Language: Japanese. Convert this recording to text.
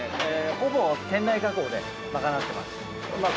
ほぼ店内加工で賄ってます。